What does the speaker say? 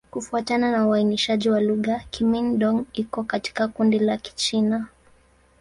Kufuatana na uainishaji wa lugha, Kimin-Dong iko katika kundi la Kichina.